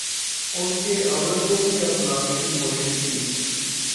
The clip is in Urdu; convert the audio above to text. ان کے عمل کو بھی اپنانے کی کوشش کی